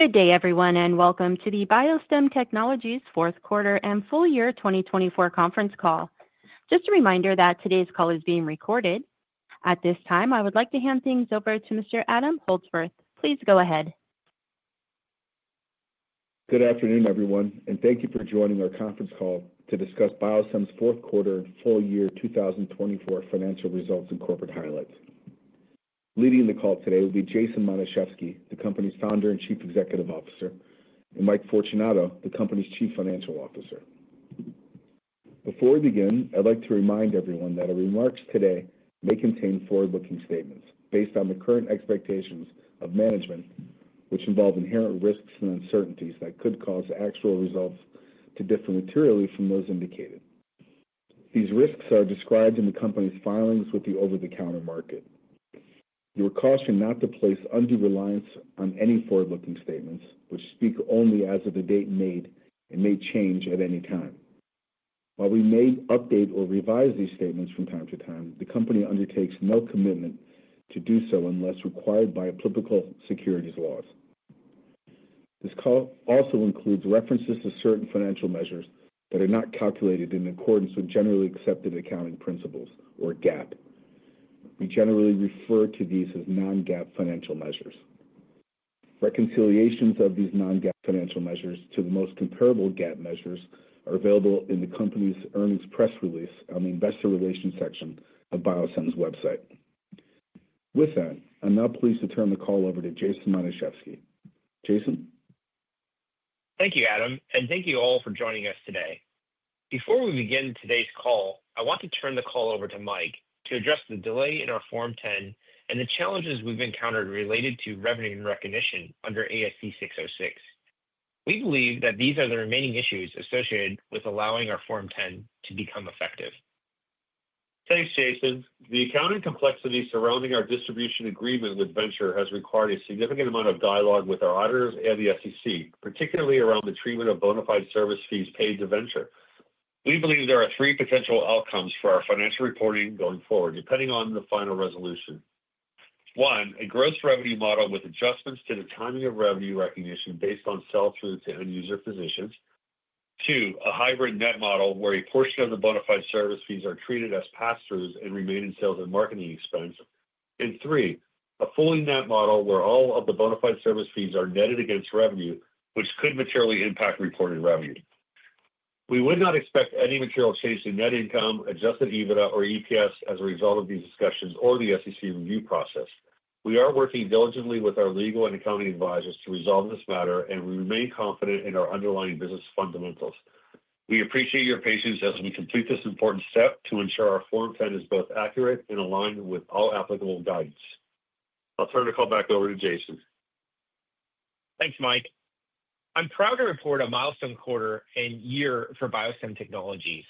Good day, everyone, and welcome to the BioStem Technologies fourth quarter and full year 2024 conference call. Just a reminder that today's call is being recorded. At this time, I would like to hand things over to Mr. Adam Holdsworth. Please go ahead. Good afternoon, everyone, and thank you for joining our conference call to discuss BioStem Technologies' fourth quarter and full year 2024 financial results and corporate highlights. Leading the call today will be Jason Matuszewski, the company's Founder and Chief Executive Officer, and Mike Fortunato, the company's Chief Financial Officer. Before we begin, I'd like to remind everyone that our remarks today may contain forward-looking statements based on the current expectations of management, which involve inherent risks and uncertainties that could cause actual results to differ materially from those indicated. These risks are described in the company's filings with the over-the-counter market. We are cautioned not to place undue reliance on any forward-looking statements, which speak only as of the date made and may change at any time. While we may update or revise these statements from time to time, the company undertakes no commitment to do so unless required by applicable securities laws. This call also includes references to certain financial measures that are not calculated in accordance with generally accepted accounting principles, or GAAP. We generally refer to these as non-GAAP financial measures. Reconciliations of these non-GAAP financial measures to the most comparable GAAP measures are available in the company's earnings press release on the investor relations section of BioStem Technologies' website. With that, I'm now pleased to turn the call over to Jason Matuszewski. Jason? Thank you, Adam, and thank you all for joining us today. Before we begin today's call, I want to turn the call over to Mike to address the delay in our form 10 and the challenges we've encountered related to revenue and recognition under ASC 606. We believe that these are the remaining issues associated with allowing our form 10 to become effective. Thanks, Jason. The accounting complexity surrounding our distribution agreement with Venture has required a significant amount of dialogue with our auditors and the SEC, particularly around the treatment of bona fide service fees paid to Venture. We believe there are three potential outcomes for our financial reporting going forward, depending on the final resolution. One, a gross revenue model with adjustments to the timing of revenue recognition based on sell-through to end-user positions. Two, a hybrid net model where a portion of the bona fide service fees are treated as pass-throughs and remain in sales and marketing expense. Three, a fully net model where all of the bona fide service fees are netted against revenue, which could materially impact reported revenue. We would not expect any material change to net income, adjusted EBITDA, or EPS as a result of these discussions or the SEC review process. We are working diligently with our legal and accounting advisors to resolve this matter, and we remain confident in our underlying business fundamentals. We appreciate your patience as we complete this important step to ensure our form 10 is both accurate and aligned with all applicable guidance. I'll turn the call back over to Jason. Thanks, Mike. I'm proud to report a milestone quarter and year for BioStem Technologies.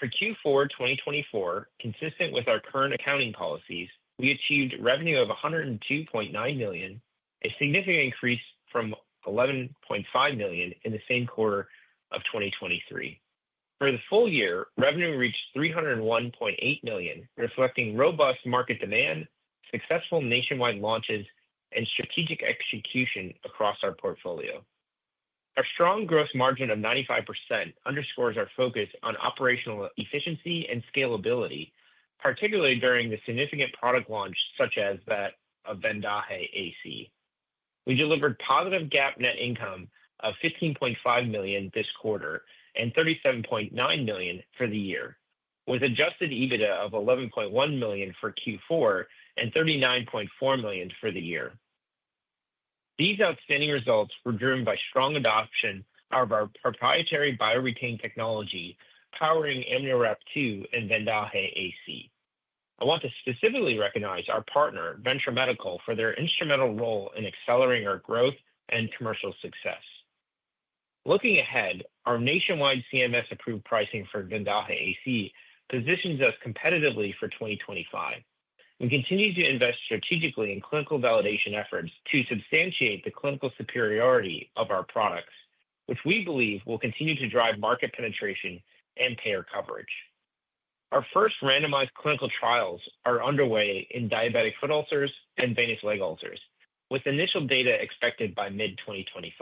For Q4 2024, consistent with our current accounting policies, we achieved revenue of $102.9 million, a significant increase from $11.5 million in the same quarter of 2023. For the full year, revenue reached $301.8 million, reflecting robust market demand, successful nationwide launches, and strategic execution across our portfolio. Our strong gross margin of 95% underscores our focus on operational efficiency and scalability, particularly during the significant product launch such as that Vendaje AC. We delivered positive GAAP net income of $15.5 million this quarter and $37.9 million for the year, with adjusted EBITDA of $11.1 million for Q4 and $39.4 million for the year. These outstanding results were driven by strong adoption of our proprietary BioREtain technology powering AmnioWrap2 Vendaje AC. I want to specifically recognize our partner, Venture Medical, for their instrumental role in accelerating our growth and commercial success. Looking ahead, our nationwide CMS-approved pricing forVendaje AC® positions us competitively for 2025. We continue to invest strategically in clinical validation efforts to substantiate the clinical superiority of our products, which we believe will continue to drive market penetration and payer coverage. Our first randomized clinical trials are underway in diabetic foot ulcers and venous leg ulcers, with initial data expected by mid-2025.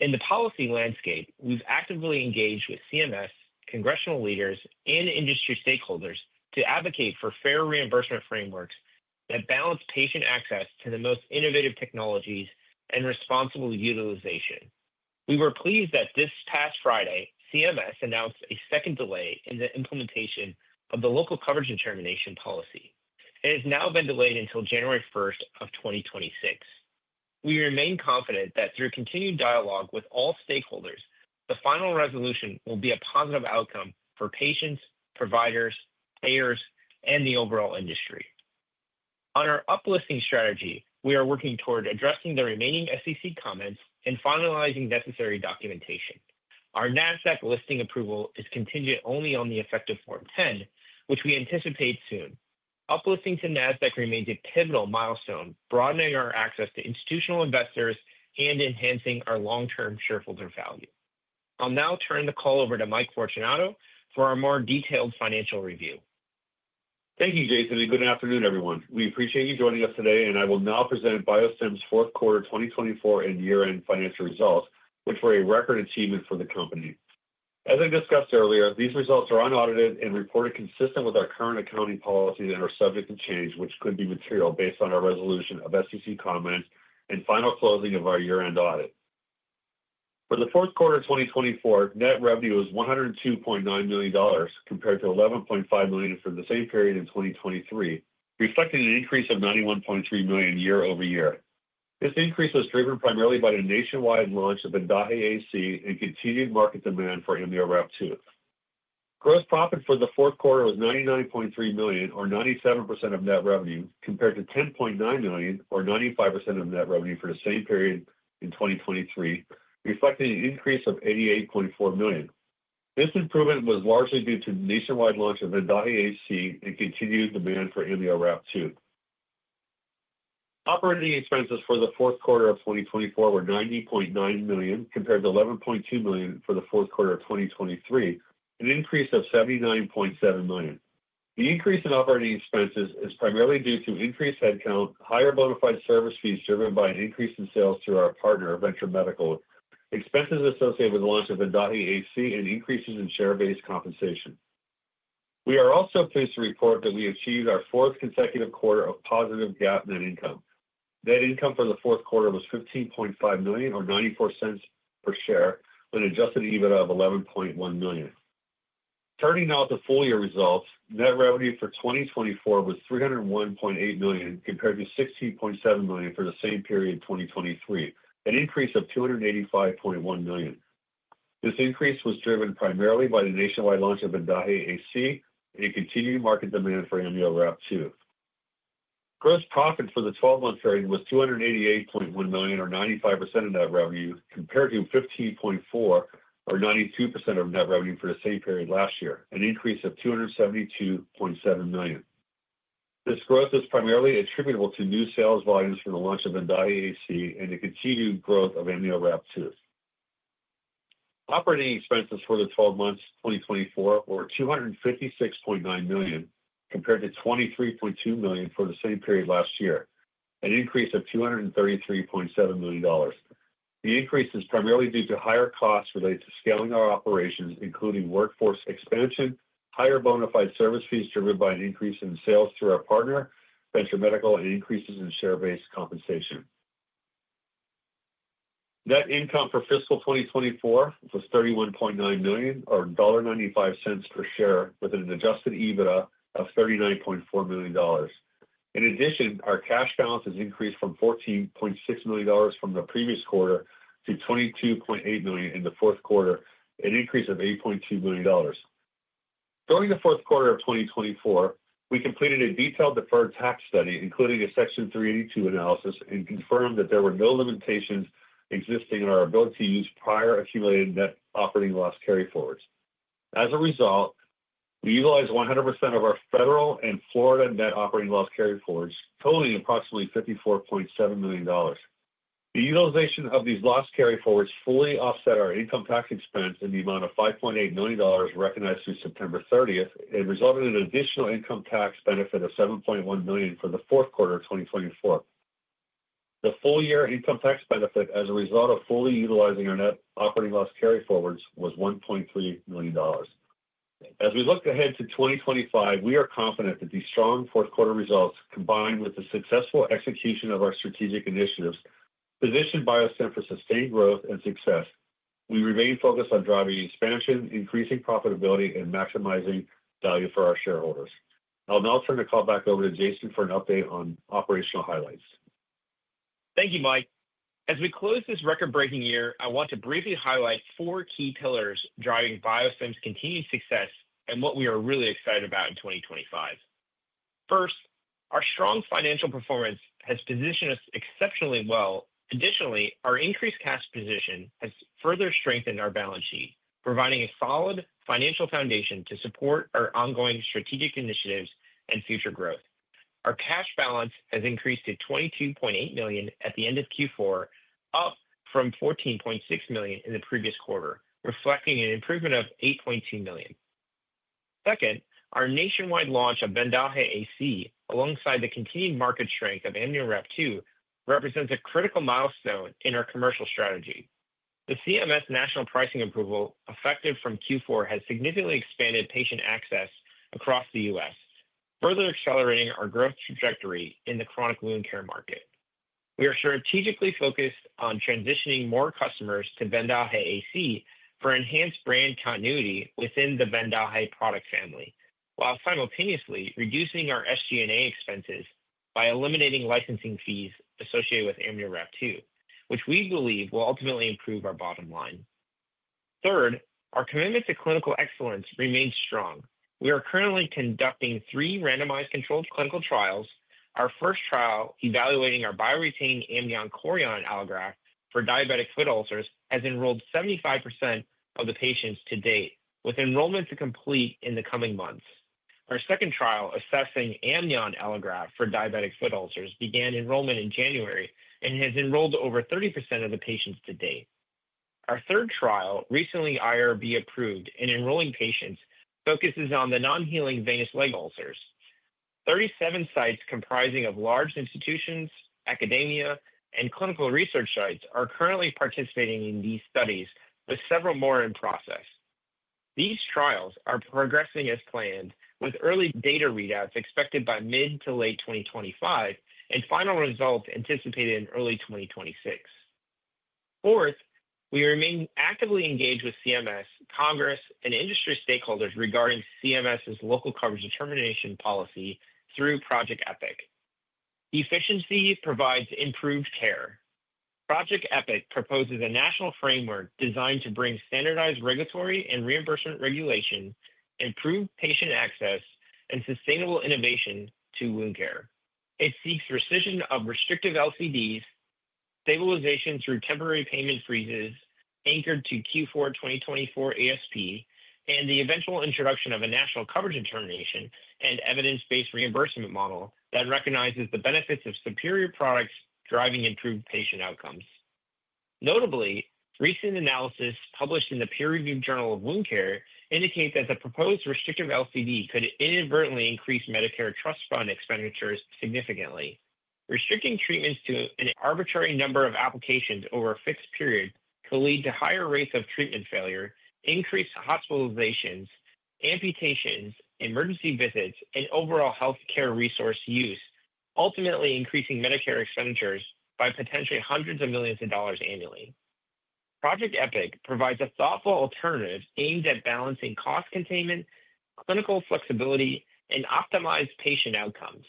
In the policy landscape, we've actively engaged with CMS, congressional leaders, and industry stakeholders to advocate for fair reimbursement frameworks that balance patient access to the most innovative technologies and responsible utilization. We were pleased that this past Friday, CMS announced a second delay in the implementation of the local coverage determination policy. It has now been delayed until January 1 of 2026. We remain confident that through continued dialogue with all stakeholders, the final resolution will be a positive outcome for patients, providers, payers, and the overall industry. On our uplisting strategy, we are working toward addressing the remaining SEC comments and finalizing necessary documentation. Our Nasdaq listing approval is contingent only on the effective form 10, which we anticipate soon. Uplisting to Nasdaq remains a pivotal milestone, broadening our access to institutional investors and enhancing our long-term shareholder value. I'll now turn the call over to Mike Fortunato for our more detailed financial review. Thank you, Jason, and good afternoon, everyone. We appreciate you joining us today, and I will now present BioStem Technologies' fourth quarter 2024 and year-end financial results, which were a record achievement for the company. As I discussed earlier, these results are unaudited and reported consistent with our current accounting policies and are subject to change, which could be material based on our resolution of SEC comments and final closing of our year-end audit. For the fourth quarter of 2024, net revenue was $102.9 million compared to $11.5 million for the same period in 2023, reflecting an increase of $91.3 million year-over-year. This increase was driven primarily by the nationwide launch of Vendaje AC and continued market demand for AmnioWrap2. Gross profit for the fourth quarter was $99.3 million, or 97% of net revenue, compared to $10.9 million, or 95% of net revenue for the same period in 2023, reflecting an increase of $88.4 million. This improvement was largely due to the nationwide launch of Vendaje AC and continued demand for AmnioWrap2. Operating expenses for the fourth quarter of 2024 were $90.9 million compared to $11.2 million for the fourth quarter of 2023, an increase of $79.7 million. The increase in operating expenses is primarily due to increased headcount, higher bona fide service fees driven by an increase in sales through our partner, Venture Medical, expenses associated with the launch of Vendaje AC, and increases in share-based compensation. We are also pleased to report that we achieved our fourth consecutive quarter of positive GAAP net income. Net income for the fourth quarter was $15.5 million, or $0.94 per share, with an adjusted EBITDA of $11.1 million. Turning now to full year results, net revenue for 2024 was $301.8 million compared to $16.7 million for the same period in 2023, an increase of $285.1 million. This increase was driven primarily by the nationwide launch of Vendaje AC and continued market demand for AmnioWrap2. Gross profit for the 12-month period was $288.1 million, or 95% of net revenue, compared to $15.4 million, or 92% of net revenue for the same period last year, an increase of $272.7 million. This growth is primarily attributable to new sales volumes from the launch of Vendaje AC and the continued growth of AmnioWrap2. Operating expenses for the 12 months of 2024 were $256.9 million compared to $23.2 million for the same period last year, an increase of $233.7 million. The increase is primarily due to higher costs related to scaling our operations, including workforce expansion, higher bona fide service fees driven by an increase in sales through our partner, Venture Medical, and increases in share-based compensation. Net income for fiscal 2024 was $31.9 million, or $1.95 per share, with an adjusted EBITDA of $39.4 million. In addition, our cash balance has increased from $14.6 million from the previous quarter to $22.8 million in the fourth quarter, an increase of $8.2 million. During the fourth quarter of 2024, we completed a detailed deferred tax study, including a Section 382 analysis, and confirmed that there were no limitations existing in our ability to use prior accumulated net operating loss carry forwards. As a result, we utilized 100% of our federal and Florida net operating loss carry forwards, totaling approximately $54.7 million. The utilization of these loss carry forwards fully offset our income tax expense in the amount of $5.8 million recognized through September 30 and resulted in an additional income tax benefit of $7.1 million for the fourth quarter of 2024. The full year income tax benefit as a result of fully utilizing our net operating loss carry forwards was $1.3 million. As we look ahead to 2025, we are confident that these strong fourth quarter results, combined with the successful execution of our strategic initiatives, position BioStem Technologies for sustained growth and success. We remain focused on driving expansion, increasing profitability, and maximizing value for our shareholders. I'll now turn the call back over to Jason for an update on operational highlights. Thank you, Mike. As we close this record-breaking year, I want to briefly highlight four key pillars driving BioStem's continued success and what we are really excited about in 2025. First, our strong financial performance has positioned us exceptionally well. Additionally, our increased cash position has further strengthened our balance sheet, providing a solid financial foundation to support our ongoing strategic initiatives and future growth. Our cash balance has increased to $22.8 million at the end of Q4, up from $14.6 million in the previous quarter, reflecting an improvement of $8.2 million. Second, our nationwide launch of Vendaje AC®, alongside the continued market strength of AmnioWrap2™, represents a critical milestone in our commercial strategy. The CMS national pricing approval effective from Q4 has significantly expanded patient access across the U.S., further accelerating our growth trajectory in the chronic wound care market. We are strategically focused on transitioning more customers to Vendaje AC for enhanced brand continuity within the Vendaje product family, while simultaneously reducing our SG&A expenses by eliminating licensing fees associated with AmnioWrap2, which we believe will ultimately improve our bottom line. Third, our commitment to clinical excellence remains strong. We are currently conducting three randomized controlled clinical trials. Our first trial, evaluating our BioREtain amnion chorion allograft for diabetic foot ulcers, has enrolled 75% of the patients to date, with enrollment to complete in the coming months. Our second trial, assessing amnion allograft for diabetic foot ulcers, began enrollment in January and has enrolled over 30% of the patients to date. Our third trial, recently IRB approved and enrolling patients, focuses on the non-healing venous leg ulcers. Thirty-seven sites comprising of large institutions, academia, and clinical research sites are currently participating in these studies, with several more in process. These trials are progressing as planned, with early data readouts expected by mid to late 2025 and final results anticipated in early 2026. Fourth, we remain actively engaged with CMS, Congress, and industry stakeholders regarding CMS's local coverage determination policy through Project EPIC. Efficiency provides improved care. Project EPIC proposes a national framework designed to bring standardized regulatory and reimbursement regulation, improved patient access, and sustainable innovation to wound care. It seeks rescission of restrictive LCDs, stabilization through temporary payment freezes anchored to Q4 2024 ASP, and the eventual introduction of a national coverage determination and evidence-based reimbursement model that recognizes the benefits of superior products driving improved patient outcomes. Notably, recent analysis published in the peer-reviewed Journal of Wound Care indicates that the proposed restrictive LCD could inadvertently increase Medicare Trust Fund expenditures significantly. Restricting treatments to an arbitrary number of applications over a fixed period could lead to higher rates of treatment failure, increased hospitalizations, amputations, emergency visits, and overall healthcare resource use, ultimately increasing Medicare expenditures by potentially hundreds of millions of dollars annually. Project EPIC provides a thoughtful alternative aimed at balancing cost containment, clinical flexibility, and optimized patient outcomes.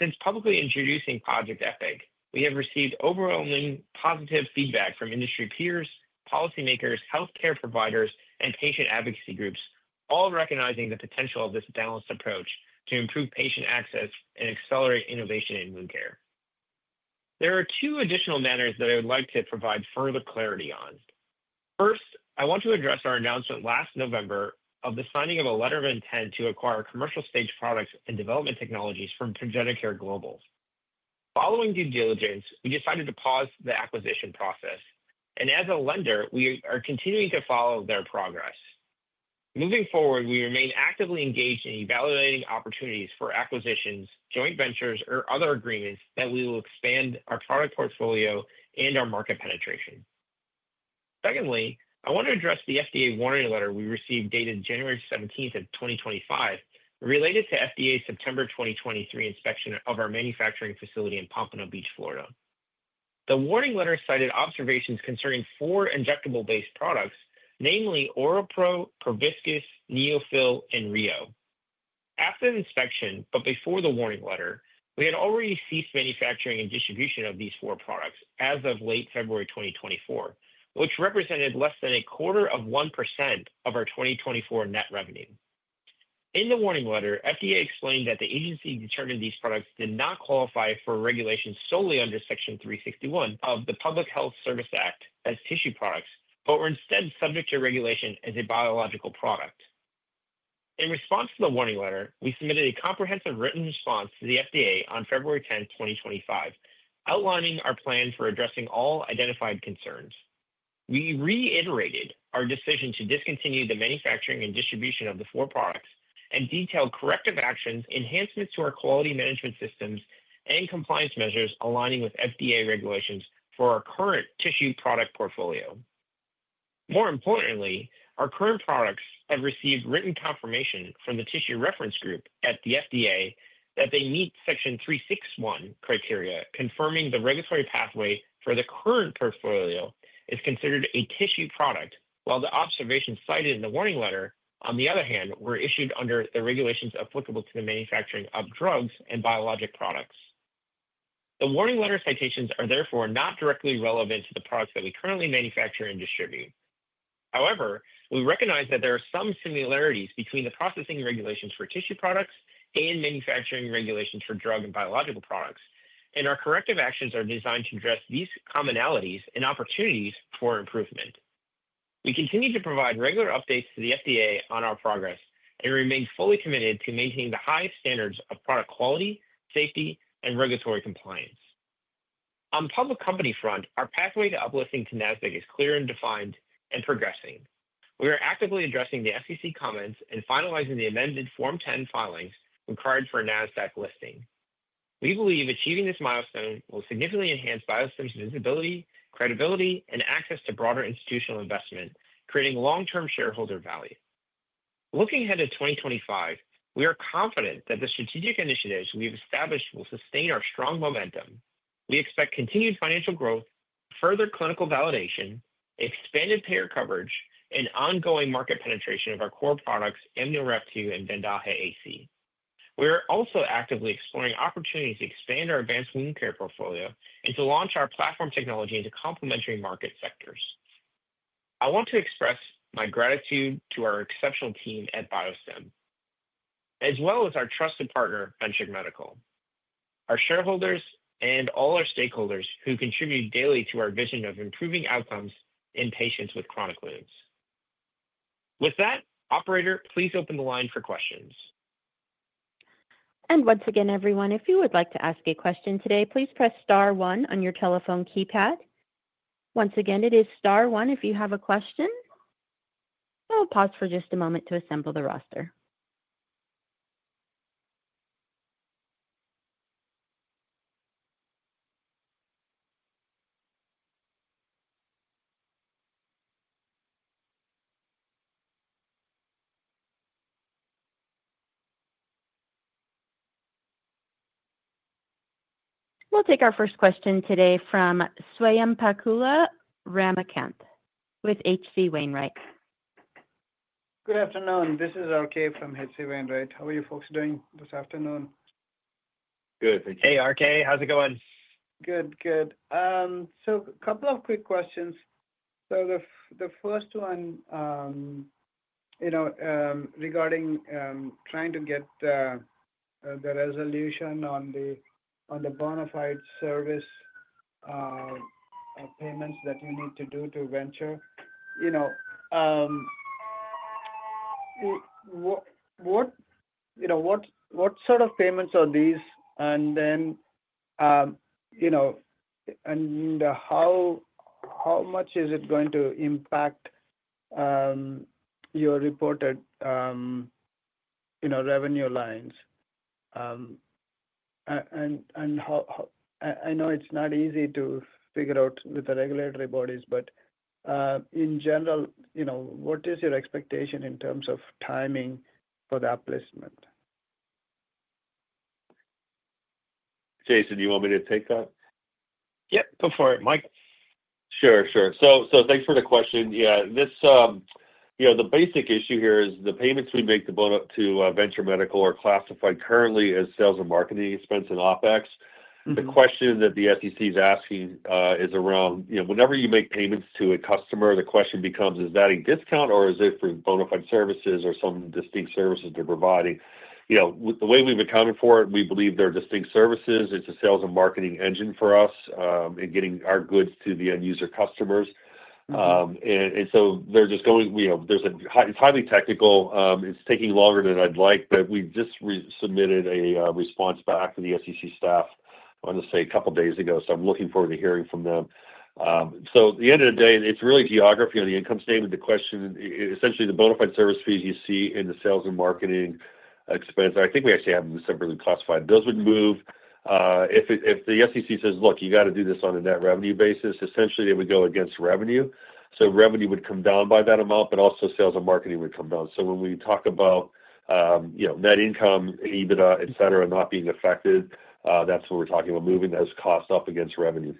Since publicly introducing Project EPIC, we have received overwhelming positive feedback from industry peers, policymakers, healthcare providers, and patient advocacy groups, all recognizing the potential of this balanced approach to improve patient access and accelerate innovation in wound care. There are two additional matters that I would like to provide further clarity on. First, I want to address our announcement last November of the signing of a letter of intent to acquire commercial-stage products and development technologies from ProgenaCare Global. Following due diligence, we decided to pause the acquisition process, and as a lender, we are continuing to follow their progress. Moving forward, we remain actively engaged in evaluating opportunities for acquisitions, joint ventures, or other agreements that will expand our product portfolio and our market penetration. Secondly, I want to address the FDA warning letter we received dated January 17th of 2025 related to FDA's September 2023 inspection of our manufacturing facility in Pompano Beach, Florida. The warning letter cited observations concerning four injectable-based products, namely OROPRO, PROVISCUS, NEOFYL, and RHEO. After the inspection, but before the warning letter, we had already ceased manufacturing and distribution of these four products as of late February 2024, which represented less than a quarter of 1% of our 2024 net revenue. In the warning letter, FDA explained that the agency determined these products did not qualify for regulation solely under Section 361 of the Public Health Service Act as tissue products, but were instead subject to regulation as a biological product. In response to the warning letter, we submitted a comprehensive written response to the FDA on February 10, 2025, outlining our plan for addressing all identified concerns. We reiterated our decision to discontinue the manufacturing and distribution of the four products and detailed corrective actions, enhancements to our quality management systems, and compliance measures aligning with FDA regulations for our current tissue product portfolio. More importantly, our current products have received written confirmation from the Tissue Reference Group at the FDA that they meet Section 361 criteria, confirming the regulatory pathway for the current portfolio is considered a tissue product, while the observations cited in the warning letter, on the other hand, were issued under the regulations applicable to the manufacturing of drugs and biologic products. The warning letter citations are therefore not directly relevant to the products that we currently manufacture and distribute. However, we recognize that there are some similarities between the processing regulations for tissue products and manufacturing regulations for drug and biological products, and our corrective actions are designed to address these commonalities and opportunities for improvement. We continue to provide regular updates to the FDA on our progress and remain fully committed to maintaining the highest standards of product quality, safety, and regulatory compliance. On the public company front, our pathway to uplisting to Nasdaq is clear and defined and progressing. We are actively addressing the SEC comments and finalizing the amended form 10 filings required for Nasdaq listing. We believe achieving this milestone will significantly enhance BioStem's visibility, credibility, and access to broader institutional investment, creating long-term shareholder value. Looking ahead to 2025, we are confident that the strategic initiatives we have established will sustain our strong momentum. We expect continued financial growth, further clinical validation, expanded payer coverage, and ongoing market penetration of our core products, AmnioWrap2 and Vendaje AC. We are also actively exploring opportunities to expand our advanced wound care portfolio and to launch our platform technology into complementary market sectors. I want to express my gratitude to our exceptional team at BioStem, as well as our trusted partner, Venture Medical. Our shareholders and all our stakeholders who contribute daily to our vision of improving outcomes in patients with chronic wounds. With that, Operator, please open the line for questions. Once again, everyone, if you would like to ask a question today, please press star one on your telephone keypad. Once again, it is star one if you have a question. I'll pause for just a moment to assemble the roster. We'll take our first question today from Swayampakula Ramakanth with H.C. Wainwright. Good afternoon. This is RK from HC Wainwright. How are you folks doing this afternoon? Good. RK, how's it going? Good, good. A couple of quick questions. The first one regarding trying to get the resolution on the bona fide service payments that you need to do to Venture. What sort of payments are these, and then how much is it going to impact your reported revenue lines? I know it's not easy to figure out with the regulatory bodies, but in general, what is your expectation in terms of timing for the upliftment? Jason, do you want me to take that? Yep, go for it, Mike. Sure, sure. Thanks for the question. Yeah, the basic issue here is the payments we make to Venture Medical are classified currently as sales and marketing expense and OpEx. The question that the SEC is asking is around whenever you make payments to a customer, the question becomes, is that a discount or is it for bona fide services or some distinct services they're providing? The way we've accounted for it, we believe they're distinct services. It's a sales and marketing engine for us in getting our goods to the end user customers. They're just going—it's highly technical. It's taking longer than I'd like, but we just submitted a response back to the SEC staff, I want to say, a couple of days ago, so I'm looking forward to hearing from them. At the end of the day, it's really geography on the income statement. The question, essentially, the bona fide service fees you see in the sales and marketing expense, I think we actually have them separately classified. Those would move if the SEC says, "Look, you got to do this on a net revenue basis." Essentially, it would go against revenue. Revenue would come down by that amount, but also sales and marketing would come down. When we talk about net income, EBITDA, etc., not being affected, that's what we're talking about moving those costs up against revenue.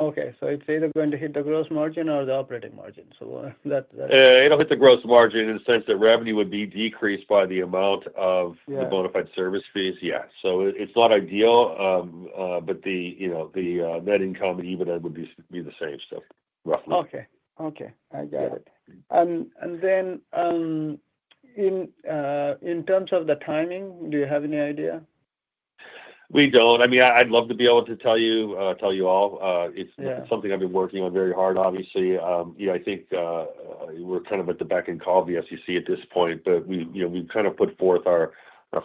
Okay. It's either going to hit the gross margin or the operating margin. That. It'll hit the gross margin in the sense that revenue would be decreased by the amount of the bona fide service fees. Yeah. It is not ideal, but the net income and EBITDA would be the same, so roughly. Okay, okay. I got it. In terms of the timing, do you have any idea? We don't. I mean, I'd love to be able to tell you all. It's something I've been working on very hard, obviously. I think we're kind of at the beck and call of the SEC at this point, but we've kind of put forth our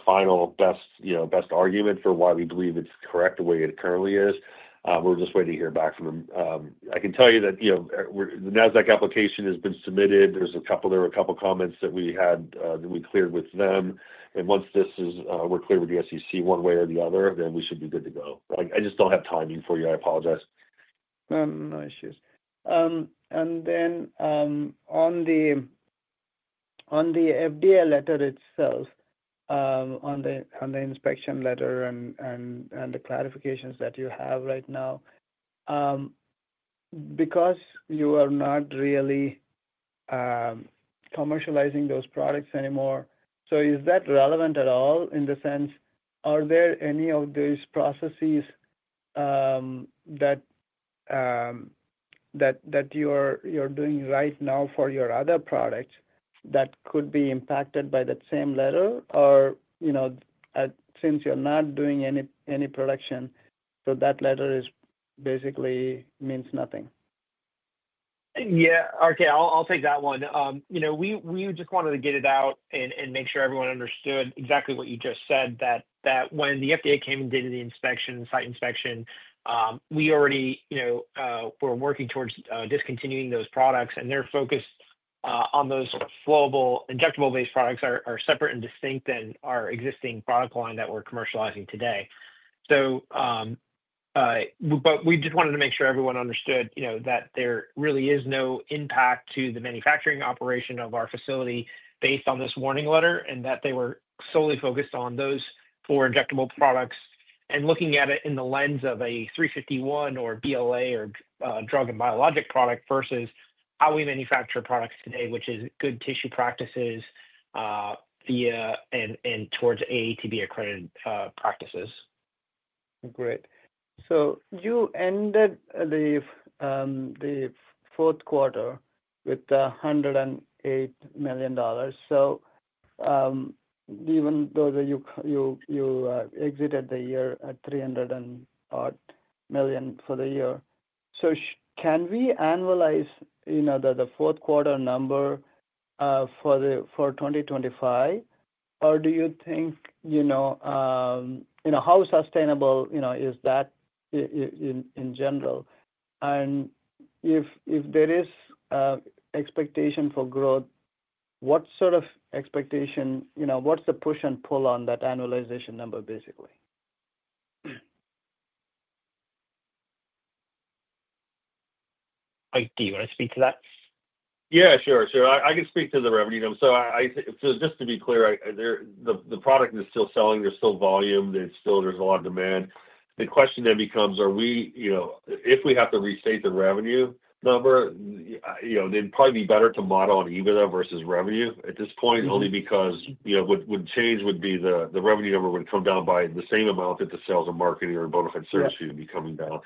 final best argument for why we believe it's correct the way it currently is. We're just waiting to hear back from them. I can tell you that the Nasdaq application has been submitted. There were a couple of comments that we had that we cleared with them. Once this is—we're clear with the SEC one way or the other, we should be good to go. I just don't have timing for you. I apologize. No issues. On the FDA letter itself, on the inspection letter and the clarifications that you have right now, because you are not really commercializing those products anymore, is that relevant at all in the sense are there any of those processes that you're doing right now for your other products that could be impacted by that same letter? Since you're not doing any production, that letter basically means nothing? Yeah. RK, I'll take that one. We just wanted to get it out and make sure everyone understood exactly what you just said, that when the FDA came and did the site inspection, we already were working towards discontinuing those products, and their focus on those injectable-based products are separate and distinct than our existing product line that we're commercializing today. We just wanted to make sure everyone understood that there really is no impact to the manufacturing operation of our facility based on this warning letter and that they were solely focused on those four injectable products and looking at it in the lens of a 351 or BLA or drug and biologic product versus how we manufacture products today, which is good tissue practices and towards AATB-accredited practices. Great. You ended the fourth quarter with $108 million. Even though you exited the year at $300-odd million for the year, can we analyze the fourth quarter number for 2025? Do you think how sustainable is that in general? If there is expectation for growth, what sort of expectation? What's the push and pull on that annualization number, basically? Right. Do you want to speak to that? Yeah, sure, sure. I can speak to the revenue number. Just to be clear, the product is still selling. There's still volume. There's a lot of demand. The question then becomes, if we have to restate the revenue number, it'd probably be better to model on EBITDA versus revenue at this point, only because what would change would be the revenue number would come down by the same amount that the sales and marketing or bona fide service fee would be coming down.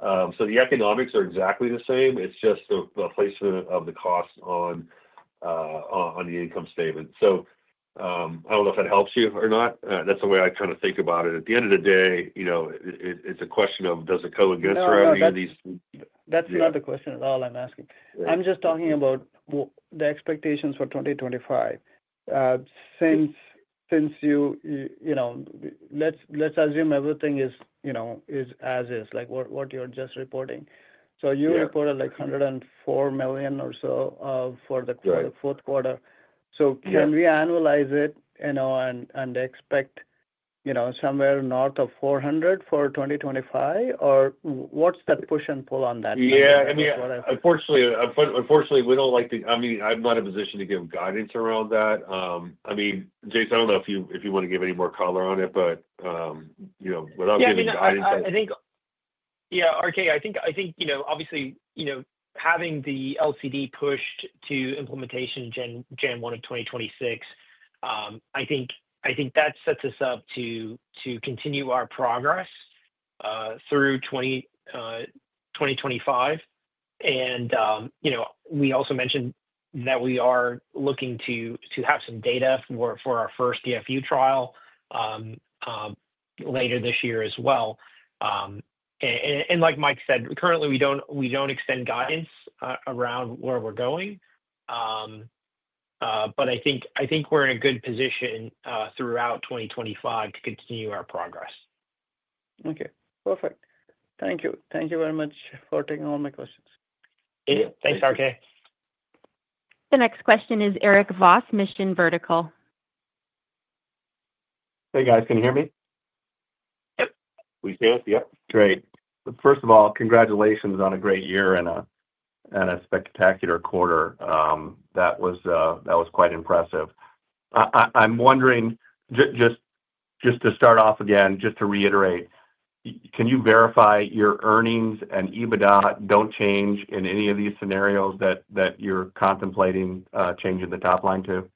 The economics are exactly the same. It's just the placement of the cost on the income statement. I don't know if that helps you or not. That's the way I kind of think about it. At the end of the day, it's a question of, does it go against revenue? That's not the question at all I'm asking. I'm just talking about the expectations for 2025. Let's assume everything is as is, like what you're just reporting. You reported like $104 million or so for the fourth quarter. Can we analyze it and expect somewhere north of $400 million for 2025? What's the push and pull on that? Yeah. I mean, unfortunately, we don't like to—I mean, I'm not in a position to give guidance around that. I mean, Jason, I don't know if you want to give any more color on it, but without giving guidance. Yeah, RK, I think obviously having the LCD pushed to implementation in January 1 of 2026, I think that sets us up to continue our progress through 2025. We also mentioned that we are looking to have some data for our first DFU trial later this year as well. Like Mike said, currently, we do not extend guidance around where we are going. I think we are in a good position throughout 2025 to continue our progress. Okay. Perfect. Thank you. Thank you very much for taking all my questions. Thanks, RK. The next question is Erik Voss, Mission Vertical. Hey, guys. Can you hear me? Yep. We can hear you. Great. First of all, congratulations on a great year and a spectacular quarter. That was quite impressive. I'm wondering, just to start off again, just to reiterate, can you verify your earnings and EBITDA don't change in any of these scenarios that you're contemplating changing the top line to?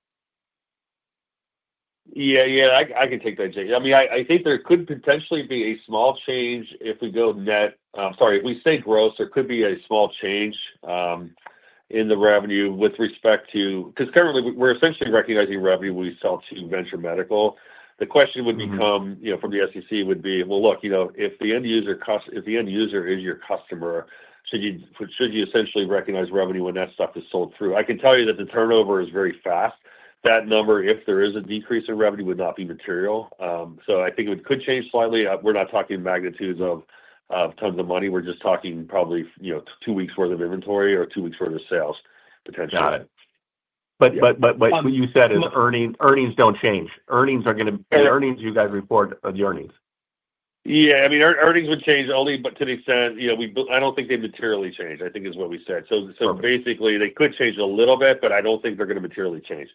Yeah, yeah. I can take that, Jason. I mean, I think there could potentially be a small change if we go net—sorry, if we say gross, there could be a small change in the revenue with respect to—because currently, we're essentially recognizing revenue we sell to Venture Medical. The question would become from the SEC would be, look, if the end user is your customer, should you essentially recognize revenue when that stuff is sold through? I can tell you that the turnover is very fast. That number, if there is a decrease in revenue, would not be material. I think it could change slightly. We're not talking magnitudes of tons of money. We're just talking probably two weeks' worth of inventory or two weeks' worth of sales, potentially. Got it. What you said is earnings do not change. Earnings are going to—the earnings you guys report are the earnings. Yeah. I mean, earnings would change only to the extent I do not think they materially change, I think is what we said. Basically, they could change a little bit, but I do not think they are going to materially change.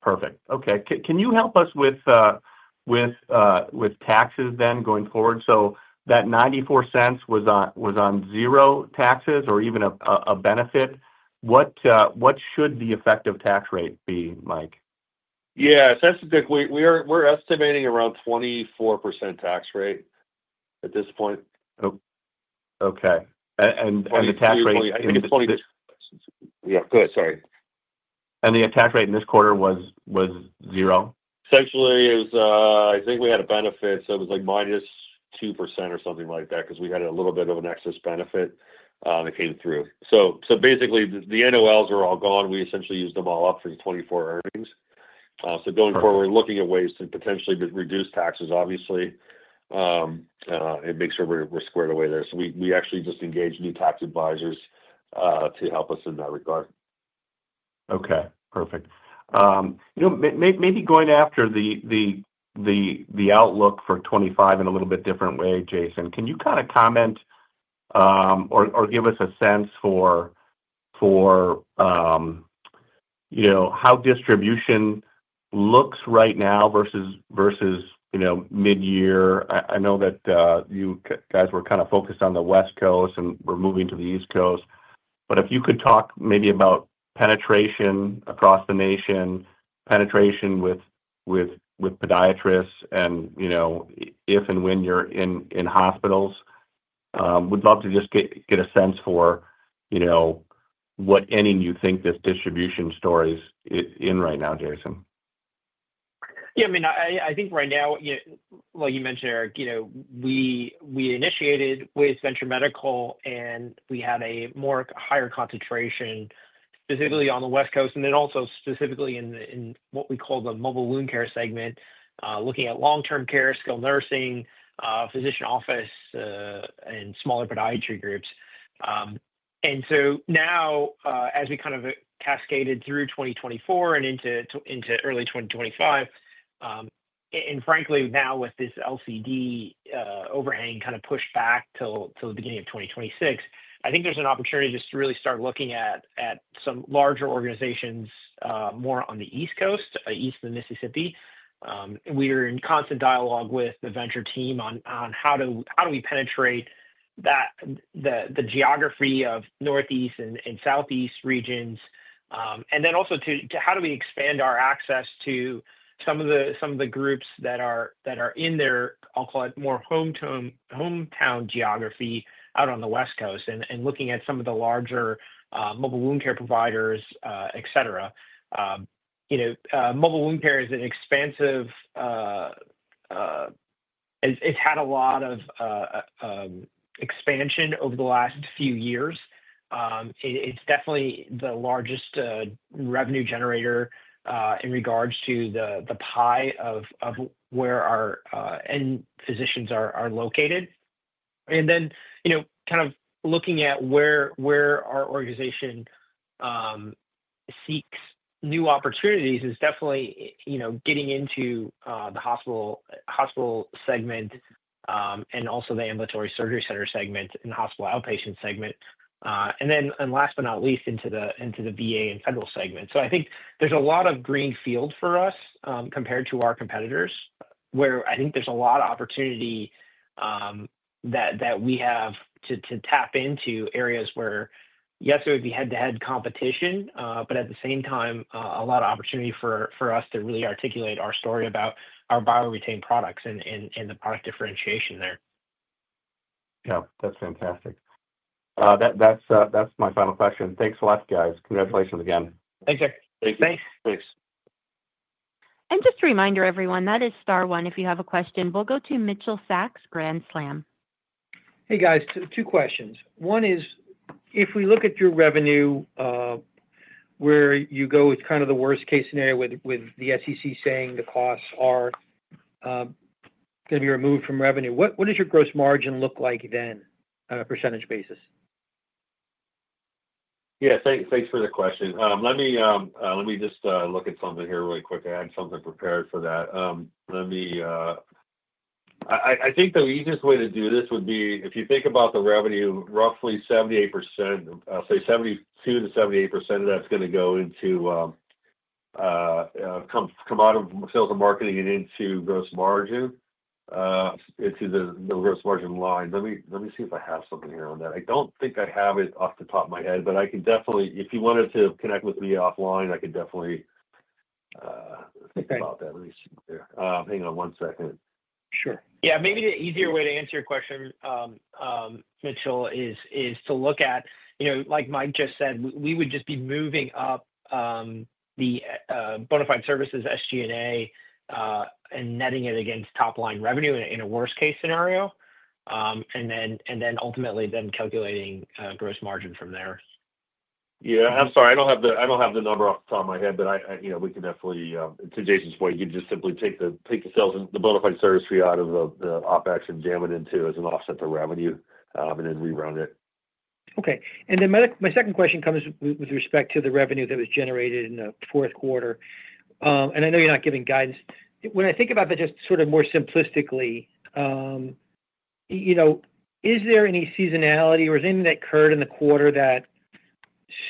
Perfect. Okay. Can you help us with taxes then going forward? That $0.94 was on zero taxes or even a benefit. What should the effective tax rate be, Mike? Yeah. We're estimating around 24% tax rate at this point. Okay. The tax rate? Yeah, go ahead. Sorry. The tax rate in this quarter was zero? Essentially, I think we had a benefit. It was like minus 2% or something like that because we had a little bit of an excess benefit that came through. Basically, the NOLs are all gone. We essentially used them all up for the 2024 earnings. Going forward, we're looking at ways to potentially reduce taxes, obviously, and make sure we're squared away there. We actually just engaged new tax advisors to help us in that regard. Okay. Perfect. Maybe going after the outlook for 2025 in a little bit different way, Jason, can you kind of comment or give us a sense for how distribution looks right now versus mid-year? I know that you guys were kind of focused on the West Coast and were moving to the East Coast. If you could talk maybe about penetration across the nation, penetration with podiatrists, and if and when you're in hospitals, we'd love to just get a sense for what ending you think this distribution story is in right now, Jason. Yeah. I mean, I think right now, like you mentioned, Eric, we initiated with Venture Medical, and we had a more higher concentration specifically on the West Coast and then also specifically in what we call the mobile wound care segment, looking at long-term care, skilled nursing, physician office, and smaller podiatry groups. Now, as we kind of cascaded through 2024 and into early 2025, and frankly, now with this LCD overhang kind of pushed back till the beginning of 2026, I think there's an opportunity just to really start looking at some larger organizations more on the East Coast, east of Mississippi. We are in constant dialogue with the Venture team on how do we penetrate the geography of northeast and southeast regions, and then also to how do we expand our access to some of the groups that are in their, I'll call it, more hometown geography out on the West Coast and looking at some of the larger mobile wound care providers, etc. Mobile wound care is an expansive—it's had a lot of expansion over the last few years. It's definitely the largest revenue generator in regards to the pie of where our end physicians are located. Then kind of looking at where our organization seeks new opportunities is definitely getting into the hospital segment and also the ambulatory surgery center segment and hospital outpatient segment. Last but not least, into the VA and federal segment. I think there's a lot of green field for us compared to our competitors, where I think there's a lot of opportunity that we have to tap into areas where, yes, there would be head-to-head competition, but at the same time, a lot of opportunity for us to really articulate our story about our BioREtain products and the product differentiation there. Yeah. That's fantastic. That's my final question. Thanks a lot, guys. Congratulations again. Thanks, Erik. Thanks. Thanks. Just a reminder, everyone, that is star one. If you have a question, we'll go to Mitchell Sacks Grand Slam. Hey, guys. Two questions. One is, if we look at your revenue, where you go with kind of the worst-case scenario with the SEC saying the costs are going to be removed from revenue, what does your gross margin look like then on a percentage basis? Yeah. Thanks for the question. Let me just look at something here really quick. I had something prepared for that. I think the easiest way to do this would be, if you think about the revenue, roughly 78%, I'll say 72-78% of that's going to come out of sales and marketing and into gross margin, into the gross margin line. Let me see if I have something here on that. I don't think I have it off the top of my head, but I can definitely, if you wanted to connect with me offline, I could definitely think about that. Let me see here. Hang on one second. Sure. Yeah. Maybe the easier way to answer your question, Mitchell, is to look at, like Mike just said, we would just be moving up the bona fide services, SG&A, and netting it against top-line revenue in a worst-case scenario, and then ultimately then calculating gross margin from there. Yeah. I'm sorry. I don't have the number off the top of my head, but we can definitely, to Jason's point, you'd just simply take the sales and the bona fide service fee out of the OpEx and jam it into as an offset to revenue and then rerun it. Okay. My second question comes with respect to the revenue that was generated in the fourth quarter. I know you're not giving guidance. When I think about that just sort of more simplistically, is there any seasonality or is there anything that occurred in the quarter that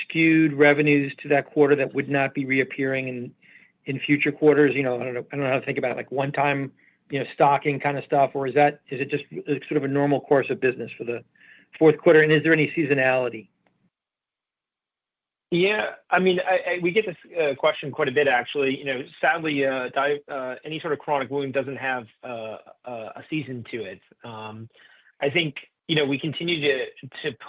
skewed revenues to that quarter that would not be reappearing in future quarters? I don't know how to think about it, like one-time stocking kind of stuff, or is it just sort of a normal course of business for the fourth quarter? Is there any seasonality? Yeah. I mean, we get this question quite a bit, actually. Sadly, any sort of chronic wound does not have a season to it. I think we continue to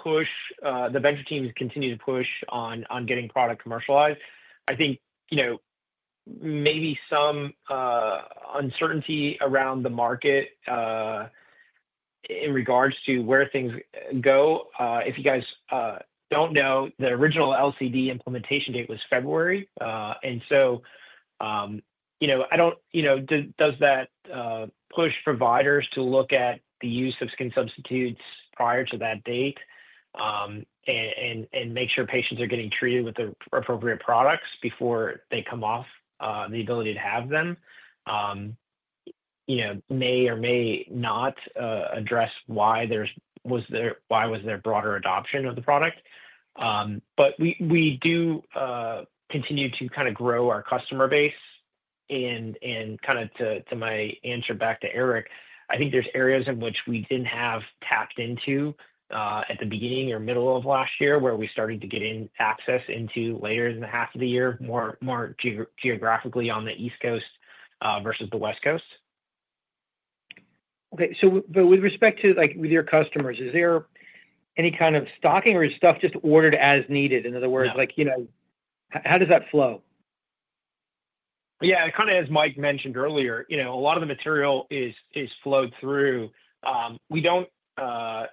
push, the venture teams continue to push on getting product commercialized. I think maybe some uncertainty around the market in regards to where things go. If you guys do not know, the original LCD implementation date was February. I do not know, does that push providers to look at the use of skin substitutes prior to that date and make sure patients are getting treated with the appropriate products before they come off, the ability to have them may or may not address why was there broader adoption of the product. We do continue to kind of grow our customer base. Kind of to my answer back to Eric, I think there's areas in which we didn't have tapped into at the beginning or middle of last year where we started to get access into later in the half of the year, more geographically on the East Coast versus the West Coast. Okay. With respect to your customers, is there any kind of stocking, or is stuff just ordered as needed? In other words, how does that flow? Yeah. Kind of as Mike mentioned earlier, a lot of the material is flowed through. We do not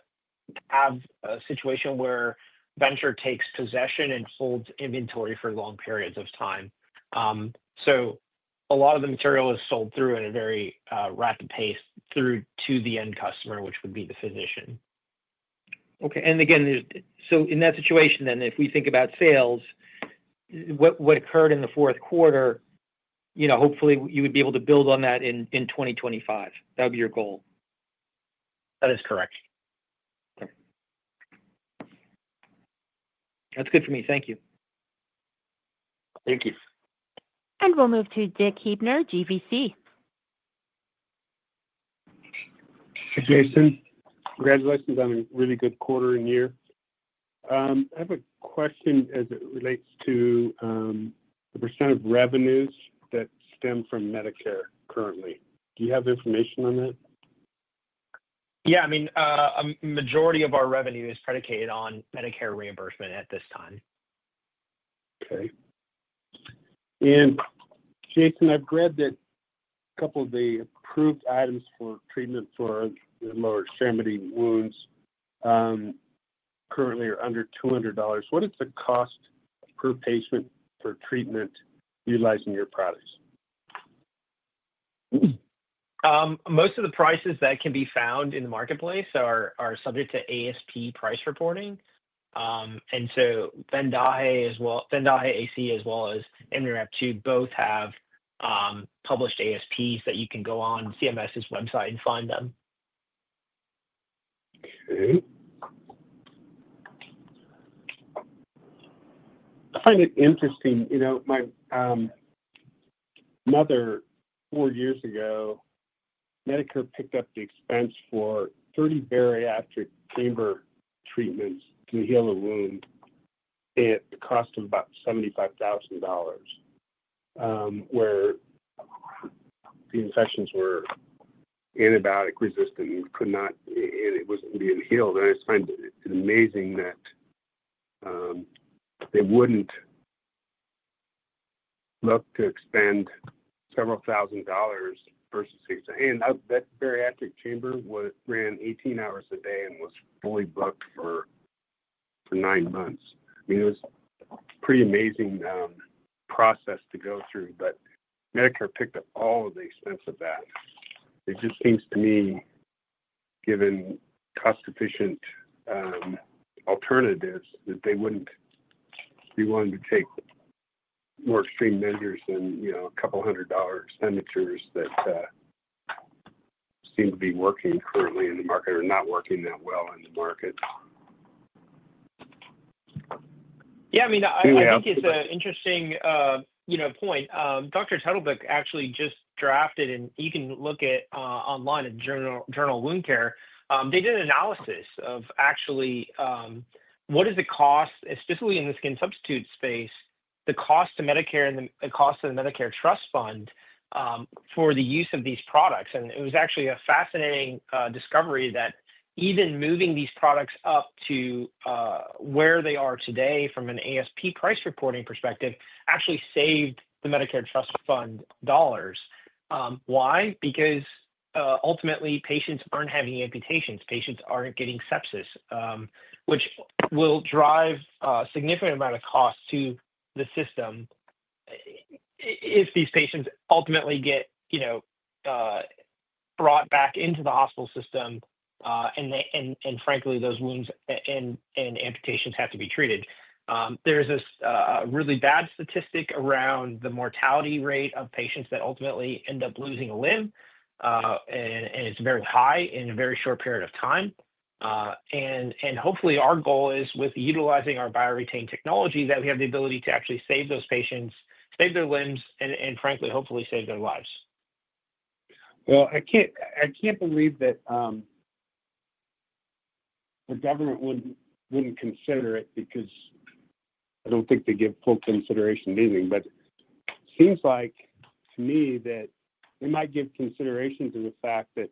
have a situation where Venture takes possession and holds inventory for long periods of time. A lot of the material is sold through at a very rapid pace through to the end customer, which would be the physician. Okay. In that situation, if we think about sales, what occurred in the fourth quarter, hopefully, you would be able to build on that in 2025. That would be your goal. That is correct. Okay. That's good for me. Thank you. Thank you. We will move to Dick Huebner, GVC. Jason, congratulations on a really good quarter and year. I have a question as it relates to the percent of revenues that stem from Medicare currently. Do you have information on that? Yeah. I mean, a majority of our revenue is predicated on Medicare reimbursement at this time. Okay. Jason, I've read that a couple of the approved items for treatment for lower extremity wounds currently are under $200. What is the cost per patient for treatment utilizing your products? Most of the prices that can be found in the marketplace are subject to ASP price reporting. Vendaje AC, as well as, both have published ASPs that you can go on CMS's website and find them. Okay. I find it interesting. My mother, four years ago, Medicare picked up the expense for 30 bariatric chamber treatments to heal a wound at the cost of about $75,000, where the infections were antibiotic-resistant and it was not being healed. I find it amazing that they would not look to expend several thousand dollars versus—that bariatric chamber ran 18 hours a day and was fully booked for nine months. I mean, it was a pretty amazing process to go through, but Medicare picked up all of the expense of that. It just seems to me, given cost-efficient alternatives, that they would not be willing to take more extreme measures than a couple of hundred dollar expenditures that seem to be working currently in the market or not working that well in the market. Yeah. I mean, I think it's an interesting point. Dr. Tudbeck actually just drafted—and you can look at online at Journal Wound Care—they did an analysis of actually what is the cost, especially in the skin substitute space, the cost to Medicare and the cost to the Medicare Trust Fund for the use of these products. It was actually a fascinating discovery that even moving these products up to where they are today from an ASP price reporting perspective actually saved the Medicare Trust Fund dollars. Why? Because ultimately, patients aren't having amputations. Patients aren't getting sepsis, which will drive a significant amount of cost to the system if these patients ultimately get brought back into the hospital system. Frankly, those wounds and amputations have to be treated. There is a really bad statistic around the mortality rate of patients that ultimately end up losing a limb, and it's very high in a very short period of time. Hopefully, our goal is, with utilizing our BioREtain technology, that we have the ability to actually save those patients, save their limbs, and frankly, hopefully save their lives. I can't believe that the government wouldn't consider it because I don't think they give full consideration to anything. It seems like to me that they might give consideration to the fact that,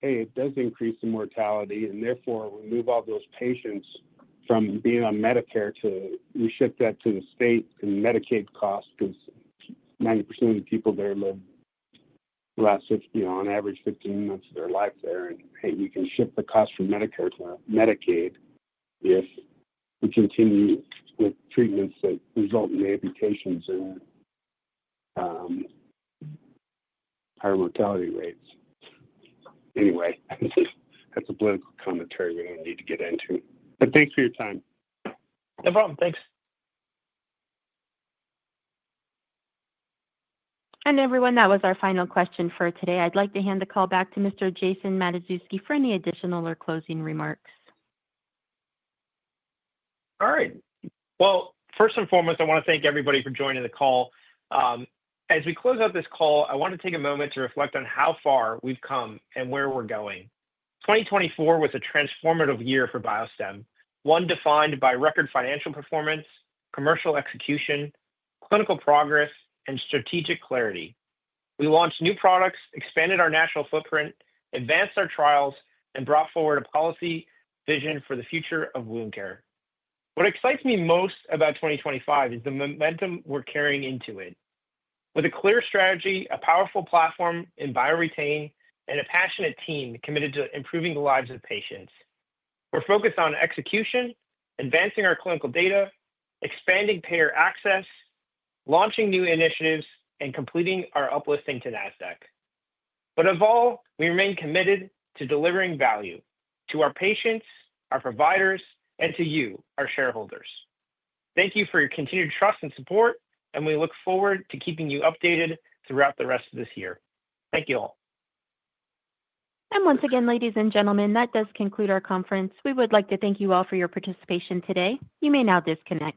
hey, it does increase the mortality, and therefore, remove all those patients from being on Medicare to reshift that to the state and Medicaid costs because 90% of the people there live on average 15 months of their life there. Hey, you can shift the cost from Medicare to Medicaid if we continue with treatments that result in amputations and higher mortality rates. Anyway, that's a political commentary we don't need to get into. Thanks for your time. No problem. Thanks. That was our final question for today. I'd like to hand the call back to Mr. Jason Matuszewski for any additional or closing remarks. All right. First and foremost, I want to thank everybody for joining the call. As we close out this call, I want to take a moment to reflect on how far we've come and where we're going. 2024 was a transformative year for BioStem Technologies, one defined by record financial performance, commercial execution, clinical progress, and strategic clarity. We launched new products, expanded our national footprint, advanced our trials, and brought forward a policy vision for the future of wound care. What excites me most about 2025 is the momentum we're carrying into it, with a clear strategy, a powerful platform in bioretain, and a passionate team committed to improving the lives of patients. We're focused on execution, advancing our clinical data, expanding payer access, launching new initiatives, and completing our uplisting to Nasdaq. Above all, we remain committed to delivering value to our patients, our providers, and to you, our shareholders. Thank you for your continued trust and support, and we look forward to keeping you updated throughout the rest of this year. Thank you all. Once again, ladies and gentlemen, that does conclude our conference. We would like to thank you all for your participation today. You may now disconnect.